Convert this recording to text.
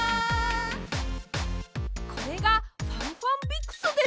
これが「ファンファンビクス」です。